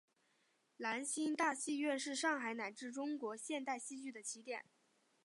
兰心大戏院是上海乃至中国现代戏剧的起点。